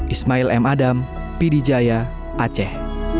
ismail m adam p d jaya aceh